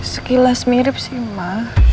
sekilas mirip sih ma